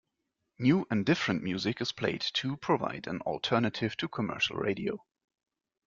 New and different music is played to provide an alternative to commercial radio.